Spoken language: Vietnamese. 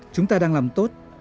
chúng ta đang làm tốt